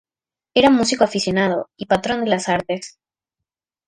Era músico aficionado y patrón de las artes.